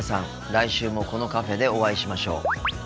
来週もこのカフェでお会いしましょう。